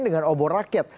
dengan obor rakyat